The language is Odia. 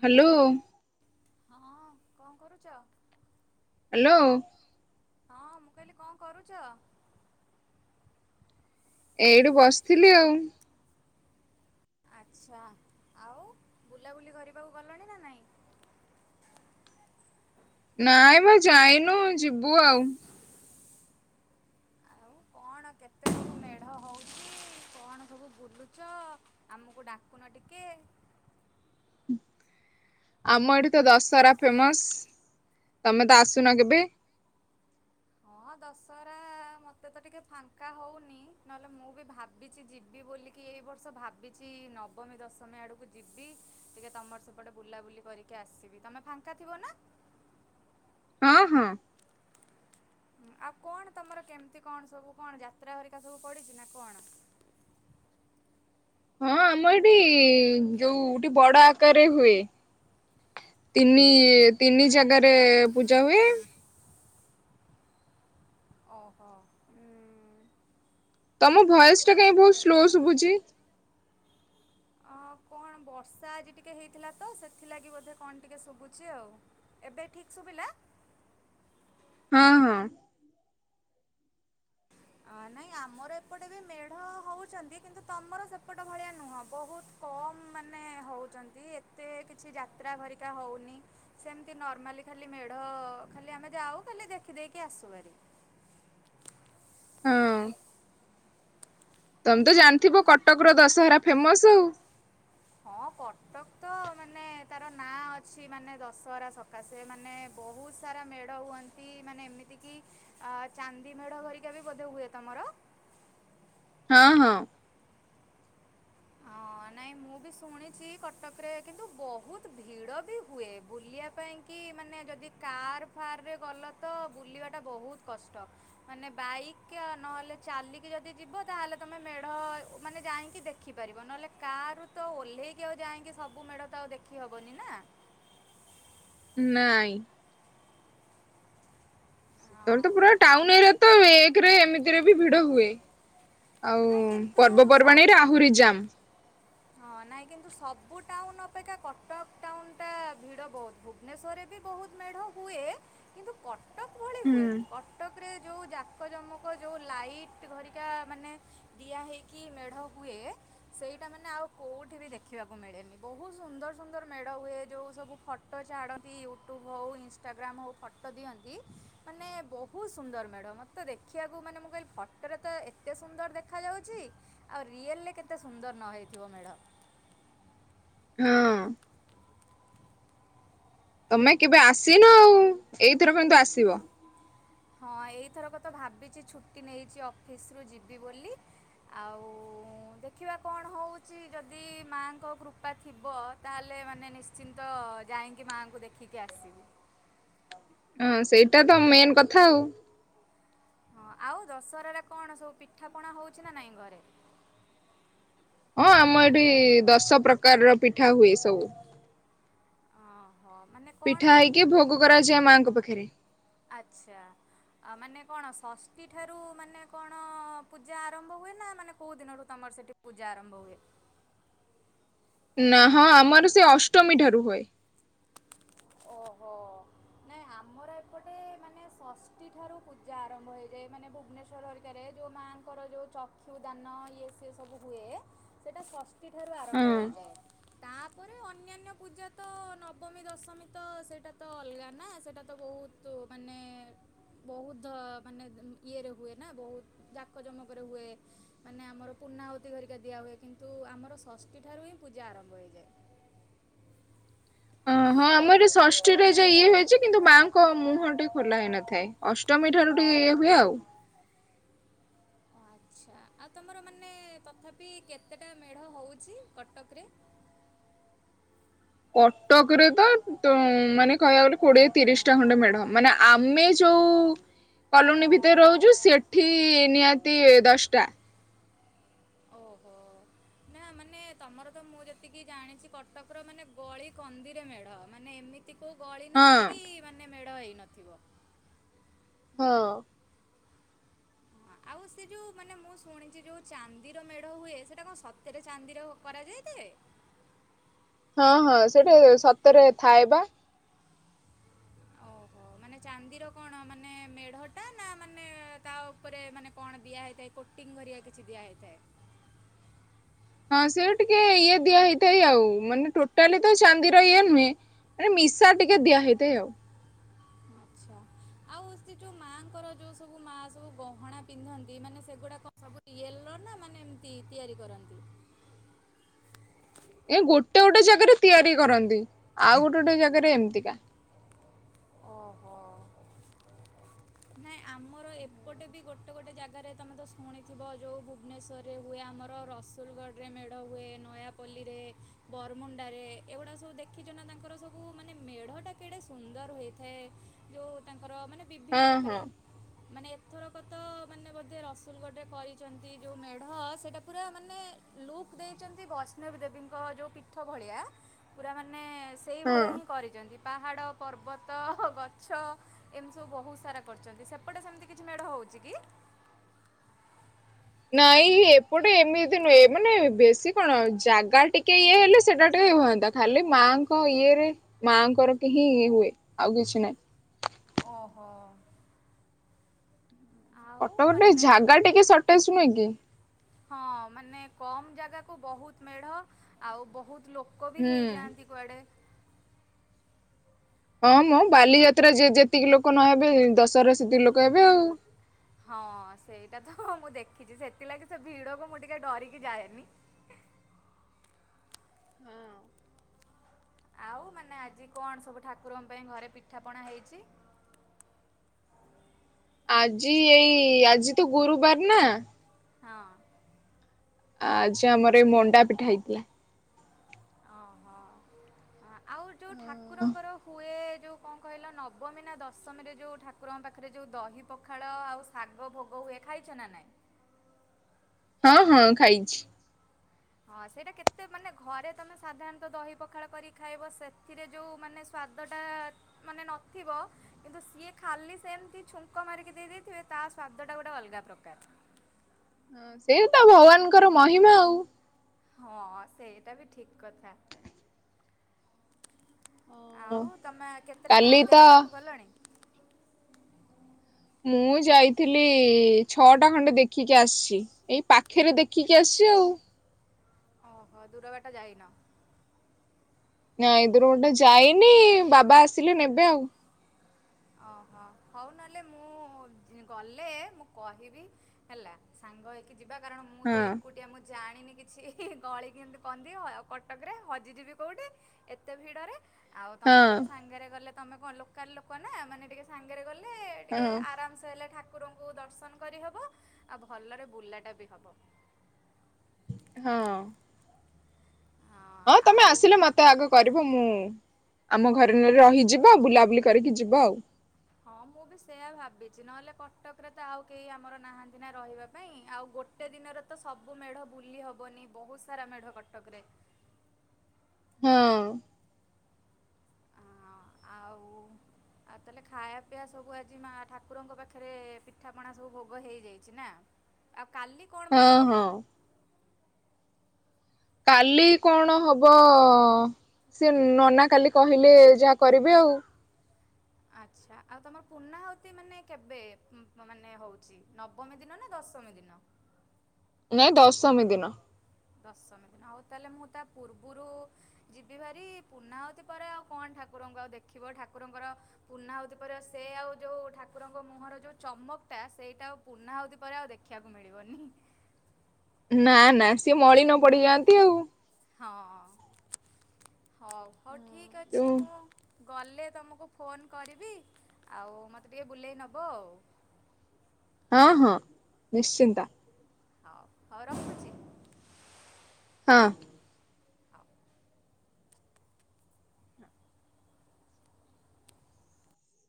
ହ୍ୟାଲୋ। ହଁ କଣ କରୁଚ। ହ୍ୟାଲୋ। ହଁ ମୁଁ କହିଲି କଣ କରୁଚ। ଏଇଠି ବସିଥିଲି ଆଉ। ଆଚ୍ଛା ଆଉ ବୁଲାବୁଲି କରିବାକୁ ଗଲଣି ନା ନାଇଁ? ନାଇଁ ମ ଯାଇନୁ ଯିବୁ ଆଉ। ଆଉ କଣ କେତେ ସବୁ ମେଢ ହଉଚି କଣ ସବୁ ବୁଲୁଚ ଆମକୁ ଡାକୁନ ଟିକେ ଆମ ଏଠି ତ ଦଶହରା ଫେମସ ତମେ ତ ଆସୁନ କେବେ। ହଁ ଦଶହରା ମତେ ତ ଟିକେ ଫାଙ୍କା ହଉନି ନହେଲେ ମୁଁ ବି ଭାବିଛି ଯିବି ବୋଲିକି ଏଇ ବର୍ଷ ଭାବିଛି ନବମୀ ଦଶମୀ ଆଡକୁ ଯିବି। ଟିକେ ତମର ସେପଟେ ବୁଲାବୁଲି କରିକି ଆସିବି। ତମେ ଫାଙ୍କା ଥିବ ନା? ହଁ ହଁ। ଆଉ କଣ ତମର କେମିତି କଣ ସବୁ କଣ ଯାତ୍ରା ହରିକା ସବୁ ପଡିଚି ନା କଣ? ହଁ ଆମର ଏଠି ଯୋଉଠି ବଡ ଆକାରରେ ହୁଏ ତିନି ତିନି ଜାଗାରେ ପୂଜା ହୁଏ। ଓହୋ। ତମ ଭଏସ ଟା କାହିଁକି ବହୁତ ସ୍ଲୋ ଶୁଭୁଛି। ଅ, କଣ ବର୍ଷା ଆଜି ଟିକେ ହେଇଥିଲା ତ ସେଥିଲାଗି ବୋଧେ କଣ ଟିକେ ଶୁଭୁଚି ଆଉ! ଏବେ ଠିକ ଶୁଭିଲା? ହଁ ହଁ।। ଅ ନାଇଁ ଆମର ଏପଟେ ବି ମେଢ ହଉଛନ୍ତି। କିନ୍ତୁ ତମର ସେପଟ ଭଳିଆ ନୁହଁ ବହୁତ କମ ମାନେ ହଉଛନ୍ତି ଏତେ କିଛି ଯାତ୍ରା ଭରିକା ହଉନି ସେମିତି ନର୍ମାଲି ଖାଲି ମେଢ ଖାଲି ଆମେ ଯାଉ ଖାଲି ଦେଖିଦେଇକି ଆସୁହରି। ହଁ। ତମେ ତ ଜାଣିଥିବ କଟକ ର ଦଶହରା ଫେମସ ଆଉ। ହଁ କଟକ ତ ମାନେ ତାର ନାଁ ଅଛି ମାନେ ଦଶହରା ସକାଶେ ମାନେ ବହୁତ ସାରା ମେଢ ହୁଅନ୍ତି। ମାନେ ଏମିତି କି ଚାନ୍ଦି ମେଢ ଧରିକା ବି ବୋଧେ ହୁଏ ତମର? ହଁ ହଁ। ହଁ ନାଇଁ ମୁଁ ବି ଶୁଣିଛି କଟକରେ କିନ୍ତୁ ବହୁତ ଭିଡ଼ ବି ହୁଏ। ବୁଲିବା ପାଇଁକି ମାନେ ଯଦି କାର୍ ଫାରରେ ଗଲ ତ ବୁଲିବାଟା ବହୁତ କଷ୍ଟ ମାନେ ବାଇକ୍ ନହେଲେ ଚାଲିକି ଯଦି ଯିବ ତାହେଲେ ତୁମେ ମେଢ଼ ମାନେ ଯାଇକି ଦେଖିପାରିବ। ନହେଲେ କାର ରୁ ତ ଓହ୍ଲେଇକି ଆଉ ଯାଇକି ସବୁ ମେଢ ତ ଆଉ ଦେଖି ହବନି ନା। ନାଇଁ। ସେତବେଳେ ହଁ ତ ପୁରା ଟାଉନ ଏରିଆ ତ ଏକରେ ଏମିତିରେ ବି ଭିଡ ହୁଏ। ଆଉ ନାଇଁ କିନ୍ତୁ ସ- ପର୍ବପର୍ବାଣୀରେ ଆହୁରି ଯାମ୍। ପୁ ଟାଉନ ଅପେକ୍ଷା କଟକ ଟାଉନଟା ଭିଡ଼ ବହୁତ ଭୁବନେଶ୍ୱରରେ ବି ବହୁତ ମେଢ଼ ହୁଏ କିନ୍ତୁ କଟ ହୁଁ। ପାରେ ଯୋଉ ଜାକ ଜମକ ଯୋଉ ଲାଇଟ୍ ଘରିକା ମାନେ ଦିଆ ହେଇକି ମେଢ଼ ହୁଏ। ସେଇଟା ମାନେ ଆଉ କେଉଠି ବି ଦେଖିବାକୁ ମିଳେନି ବହୁତ ସୁନ୍ଦର ସୁନ୍ଦର ମେଢ଼ ହୁଏ। ଯେଉ ସବୁ ଫଟୋ ଛାଡ଼ନ୍ତି ୟୁଟ୍ୟୁବ୍ ହଉ ଇନଷ୍ଟାଗ୍ରାମ୍ ହଉ ଫଟୋ ଦିଅନ୍ତି ମାନେ ବହୁତ ସୁନ୍ଦର ମେଢ଼ ମୋତେ ଦେଖିବାକୁ ମାନେ ମୁଁ କହିଲି ଫଟୋରେ ତ ଏତେ ସୁନ୍ଦର ଦେଖ ଦେଖାଯାଉଛି ଆଉ ରିଅଲ ରେ କେତେ ସୁନ୍ଦର ନ ହେଇଥିବ ମେଢ। ହୁଁ ତମେ କେବେ ଆସିନ ଆଉ, ଏଇଥର କିନ୍ତୁ ଆସିବ। ହଁ ଏଇଥରକ ତ ଭାବିଛି ଛୁଟି ନେଇଛି ଅଫିସରୁ ଯିବି ବୋଲି ଆଉଉ ଦେଖିବା କଣ ହେଉଛି ଯଦି ମାଆଙ୍କ କୃପା ଥିବ ତାହେଲେ ମାନେ ନିଶ୍ଚିନ୍ତ ଯାଇକି ମାଆଙ୍କୁ ଦେଖିକି ଆସିବି। ହୁଁ ସେଇଟା ତ ମେନ୍ କଥା ଆଉ। ହଁ ଆଉ ଦଶହରାରେ କଣ ସବୁ ପିଠାପଣା ହଉଚି ନା ନାଇଁ ଘରେ? ହଁ ଆମ ଏଠି ଦଶ ପ୍ରକାରର ପିଠା ହୁଏ ସବୁ। ହଁ ମାନେ କଣ ପିଠା ହେଇକି କେମତି, ଭୋଗ କରାଯାଏ ମାଙ୍କ ପାଖରେ ଆଚ୍ଛା ମାନେ କଣ ଷଷ୍ଠୀଠାରୁ ମାନେ କଣ ପୂଜା ଆରମ୍ଭ ହୁଏ ନା ମାନେ କୋଉ ଦିନରୁ ତମର ସେଠି ପୂଜା ଆରମ୍ଭ ହୁଏ? ନା ହଁ ଆମର ସେ ଅଷ୍ଟମୀ ଠାରୁ ହୁଏ। ଓହୋଃ ନାଇଁ ଆମର ଏପଟେ ମାନେ ଷଷ୍ଠୀଠାରୁ ପୂଜା ଆରମ୍ଭ ହୋଇଯାଏ ମାନେ ଭୁବନେଶ୍ଵର ହେରିକାରେ ଯୋଉ ମାଆଙ୍କର ଯୋଉ ଚକ୍ଷୁ ଦାନ ଇଏ ସିଏ ସବୁ ହୁଏ ସେଇଟା ଷଷ୍ଠୀ ଷଷ୍ଠୀଠାରୁ ଆରମ୍ଭ ହଁ ହେଇଯାଏ। ତାପରେ ଅନ୍ୟାନ୍ୟ ପୂଜା ତ ନବମୀ ଦଶମୀ। ତ ସେଇଟା ତ ଅଲଗା ନା, ସେଇଟା ତ ବହୁତ ମାନେ ବହୁତ ମାନେ ଇଏରେ ହୁଏ ନା ବହୁତ ଜାକଜମକରେ ହୁଏ ମାନେ ଆମର ପୂର୍ଣ୍ଣାହୁତି ହେରିକା ଦିଆ ହୁଏ କିନ୍ତୁ ଆମର ଷଷ୍ଠୀ ଠାରୁ ହିଁ ପୂଜା ଆରମ୍ଭ ହେଇଯାଏ। ହଁ ହଁ ଆମର ଏ ଷଷ୍ଠୀରେ ଯେ ଇଏ ହୁଏ ଯେ, କିନ୍ତୁ ମାଆଙ୍କ ମୁହଁଟି ଖୋଲା ହେଇନଥାଏ ଅଷ୍ଟମୀ‌ ଠାରୁ ଟିକେ ଇଏ ହୁଏ ଆଉ। ଓ ଆଚ୍ଛା ଆଉ ତମର ମାନେ ତଥାପି କେତେଟା ମେଢ ହଉଛି କଟକରେ? କଟକରେ ତ ମାନେ କହିବାକୁ ଗଲେ କୋଡିଏ ତିରିଶଟା ଖଣ୍ଡେ ମେଢ଼ ମାନେ ଆମେ ଯୋଉ କଲୋନୀ ଭିତରେ ରହୁଛୁ ସେଠି ନିହାତି ଦଶଟା। ଓହୋ ନା ମାନେ ତମର ତ ମୁଁ ଯେତିକି ଜାଣିଛି କଟକର ମାନେ ଗଳକନ୍ଦିରେ ମେଢ ମାନେ ଏମିତ୍ ଏମିତି କୋଉ ଗଳି ହଁ। ନାହିଁ କି ମାନେ। ମେଢ ହେଇ ନଥିବ। ହଁ ହଁ, ଆଉ ସେ ଯୋଉ ମାନେ ମୁଁ ଶୁଣିଛି ଯୋଉ ଚାନ୍ଦିର ମେଢ ହୁଏ ସେଟା କଣ ସତରେ ଚାନ୍ଦିର କରାଯାଇଥାଏ? ହଁ ହଁ ସେଇଠି ସତରେ ଥାଏ ବା। ଓହୋଃ, ମାନେ ଚାନ୍ଦିର କଣ ମାନେ ମେଢଟା ନା ମାନେ ତା ଉପରେ ମାନେ କଣ ଦିଆହେଇଥାଏ କୋଟିଙ୍ଗ୍ ହେରିକା କିଛି ଦିଆ ହେଇଥାଏ? ହଁ ସେ ଟିକେ ଇଏ ଦିଆ ହେେଇଥାଏ ଆଉ ମାନେ ଟୋଟାଲି ତ ଚାନ୍ଦିର ଇଏ ନୁହେଁ ମାନେ ମିଶା ଟିକେ ଦିଆ ହେେଇଥାଏ ଆଉ। ଆଛା, ଆଉ ସେ ଯୋଉ ମାଆଙ୍କର ଯୋଉ ସବୁ ମା ସବୁ ଗହଣା ପିନ୍ଧନ୍ତି ମାନେ ସେଗୁଡ଼ାକ ସବୁ ୟେଲୋ ନା ମାନେ ଏମତି ତିଆରି କରନ୍ତି? ଏ ଗୋଟେ ଗୋଟେ ଜାଗାରେ ତିଆରି କରନ୍ତି ଆଉ ଗୋଟେ ଗୋଟେ ଜାଗାରେ ଏମିତିକା। ଓହୋଃ, ନାଇଁ ଆମର ଏପଟେ ବି ଗୋଟେ ଗୋଟେ ଜାଗାରେ ତମେ ତ ଶୁଣିଥିବ ଯୋଉ ଭୁବନେଶ୍ୱରରେ ହୁଏ ଆମର ରସୁଲଗଡ଼ରେ ମେଢ ହୁଏ ନୟାପଲ୍ଲୀରେ ବରମୁଣ୍ଡାରେ ଏଗୁଡା ସବୁ ଦେଖିଛ ନା ତାଙ୍କର ସବୁ ମାନେ ମେଢଟା କେଡ଼େ ସୁନ୍ଦର ହୋଇଥାଏ ସେ ଯୋଉ ତାଙ୍କ୍ ଙ୍କର ମାନେ ବିଭିନ୍ନ ହଁ ହଁ ପ୍ରକାରେ ମାନେ ଏଥରକ ତ ମାନେ ବୋଧେ ରସୁଲଗଡ଼ରେ କରିଛନ୍ତି ଯୋଉ ମେଢ ସେଟା ପୁରା ମାନେ ଲୁକ୍ ଦେଇଛନ୍ତି ବୈଷ୍ଣବ ଦେବୀଙ୍କ ଯୋଉ ପୀଠ ଭଳିଆ ପୁରା ମାନେ ମାନେ ସେଇଭଳିଆ ହଁ। ହିଁ କରିଛନ୍ତି। ପାହାଡ଼ ପର୍ବତ୍ ତ ଗଛ ଏମିତି ସବୁ ବହୁତ ସାରା କରିଛନ୍ତି ସେପଟେ ସେମିତି କିଛି ମେଢ ହଉଛି କି? ନାଇଁ ଏପଟେ ଏମିତି ନୁହେଁ ମାନେ ବେଶୀ କଣ ଜାଗା ଟିକେ ଇଏ ହେଲେ ସେଟା ଟିକେ ହୁଅନ୍ତା ଖାଲି ମାଆଙ୍କ ଇଏରେ ମାଆଙ୍କର ହିିଁ ଇଏ ହୁଏ ଆଉ କିଛି ନାହିଁ। ଓହୋଃ। କଟକ ଟିକେ ଝାଗା ଟିକେ ସଟେଜ୍ ନୁହେଁ କି? ହଁ ମାନେ କମ୍ ଜାଗାକୁ ବହୁତ୍ ମେଢ଼ ଆଉ ବହୁତ୍ ଲୋକ ବି ହୁଁ ହେଇଯାଆନ୍ତି କୁଆଡେ। ହଁ ମ ବାଲିଯାତ୍ରା ଯେ ଯେତିକି ଲୋକ ନହେବେ ଦଶହରାରେ ସେତିକି ଲୋକ ହେବେ ଆଉ। ହଁ ସେଇଟା ତଁ ମୁଁ ଦେଖ୍ ଖିଛି ସେଥିଲାଗି ସେ ଭିଡକୁ ମୁଁ ଟିକେ ଡରିକି ଯାଏନି ଇଁ ହଁ ଆଉ ମାନେ ଆଜି କଣ ସବୁ ଠାକୁରଙ୍କ ପାଇଁ ଘରେ ପିଠା ପଣା ହେଇଛି? ଆଜି ଏଇ ଆଜି ତ ଗୁରୁବାର ନାଁ ହଁ। ଆଜି ଆମର ଏଇ ମଣ୍ଡା ପିଠା ହେଇଥିଲା। ଓହୋ। ଆଉ ଯୋଉ ଠାକୁରଙ୍କର ହୁଏ ଯୋଉ କଣ କହିଲ ନବମୀ ନା ଦଶମୀରେ ଯୋଉ ଠାକୁରଙ୍କ ପାଖରେ ଯୋଉ ଦହି ପଖାଳ ଆଉ ଶାଗ ଭୋଗ ହୁଏ ଖାଇଛ ନା ନାହିଁ? ହଁ ହଁ ଖାଇଛି। ହଁ ସେଇଟା କେତେ ମାନେ ଘରେ ତମେ ସାଧାରଣତଃ ଦହି ପଖାଳ କରିକି ଖାଇବ ସେଥିରେ ଯୋଉ ମାନେ ସ୍ଵାଦ ଟା ମାନେ ନଥିବ କିନ୍ତୁ ସିଏ ଖାଲି ସେମିତି ଛୁଙ୍କ ମାରିକି ଦେଇ ଦେଇଥିବେ ତା ସ୍ଵାଦ ଟା ଗୋଟେ ଅଲଗା ପ୍ରକାର। ହଁ ସେ ତ ଭଗବାନଙ୍କର ମହିମା ଆଉ। ହଁ ସେଇଟା ବି ଠିକ କଥା। ହଁ ଆଉ ତମେ କେତେଟା କାଲି ମେଢ ତ ଦେଖିବାକୁ ଗଲଣି? ମୁଁ ଯାଇଥିଲି ଛଅଟା ଖଣ୍ଡେ ଦେଖିକି ଆସିଛି ଏଇ ପାଖରେ ଦେଖିକି ଆସିଛି ଆଉ। ଓହୋ ଦୂରବାଟ ଯାଇନ? ନାଇଁ ଦୂର ବାଟ ଯାଇନି ବାବା ଆସିଲେ ନେବେ ଆଉ। ଓହୋ ହଉ ନହେଲେ ମୁଁ ଗଲେ ମୁଁ କହିବି ହେଲା ସାଙ୍ଗ ହେଇକି ଯିବା କାରଣ ମୁଁ ତ ହଁ ଏକୁଟିଆ ମୁଁ ଜାଣି ଣିନି କିଛି ଗଳି କନ୍ଧି କଟକରେ ହଜିଯିବି କୋଉଠି ଏତେ ଭିଡ଼ରେ। ଆଉ ହଁ ତମେ ଟିକେ ସାଙ୍ଗରେ ଗଲେ ତମେ କଣ ଲୋକାଲ ଲୋକ ନା ନା ମାନେ ଟିକେ ସାଙ୍ଗରେ ଗଲେ ଟିକେ ହଁ। ଆରାମସେ ହେଲେ ଠା ଠାକୁର ଙ୍କୁ ଦର୍ଶନ କରିହବ ଆଉ ଭଲରେ ବୁଲାଟା ବି ହବ। ହଁ। ହଁ ତମେ ଆସିଲେ ମତେ ଆଗ କରିବ ମୁଁ ଆମ ଘରେ ନହେଲେ ରହିଯିବ ବୁଲାବୁଲି କରିକି ଯିବ ଆଉ। ହଁ ମୁଁ ବି ସେୟା ଭାବିଛି ନହେଲେ କଟକରେ ତ ଆଉ କେହି ଆମର ନାହାନ୍ତି ନା ରହିବା ପାଇଁ ଆଉ ଗୋଟେ ଦିନରେ ତ ସବୁ ମେଢ ବୁଲି ହବନି ବହୁତ ସାରା ମେଢ କଟକରେ। ହଁ। ହଁ ଆଉ ଆଉ ତାହେଲେ ଖାଇବା ପିଇବା ସବୁ ଆଜି ମା ଠାକୁରଙ୍କ ପାଖରେ ପିଠାପଣା ସବୁ ଭୋଗ ହେଇଯାଇଛି ନା ଆଉ କାଲି କଣ ହଁ ଭୋଗ ହବ? ହଁ କାଲି କଣ ହବ ସେ ନନା କାଲି କହିଲେ ଯାହା କରିବେ ଆଉ। ଆଚ୍ଛା ଆଉ ତମର ପୂର୍ଣାହୁତି ମାନେ କେବେ ମାନେ ହଉଛି ନବମୀ ଦିନ ନା ଦଶମୀ ଦିନ? ନାଇଁ ଦଶମୀ ଦିନ। ଦଶମୀ ଦିନ ହଉ ତାହେଲେ ମୁଁ ତା ପୂର୍ବରୁ ଯିବି ଭାରି ପୂର୍ଣ୍ଣା ହଉତି ପରେ ଆଉ କଣ ଠାକୁରଙ୍କୁ ଆଉ ଦେଖିବ ଠାକୁରଙ୍କର ପୂର୍ଣ୍ଣାହୁତି ପରେ ସେ ଆଉ ଯୋଉ ଠାକୁରଙ୍କ ମୁହଁର ଯୋଉ ଚମକ ଟା ସେଇଟା ଆଉ ପୂର୍ଣ୍ଣାହୁତି ପରେ ଆଉ ଦେଖିବାକୁ ମିଳିବନି। ନା ନା ସିଏ ମଳି ନ ପଡିଯାଆନ୍ତି ଆଉ। ହଁ। ହଉ ହଉ ଠିକ ଅଛି ଯୋଉ ମୁଁ ଗଲେ ତମକୁ ଫୋନ୍ କରିବି ଆଉ ମୋତେ ଟିକେ ବୁଲେଇ ନବ ଆଉ।। ହଁ ହଁ ନିଶ୍ଚିନ୍ତ। ହଉ ହଉ ରଖୁଛି। ହଁ। ହଉ